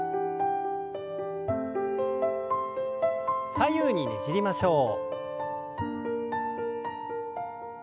左右にねじりましょう。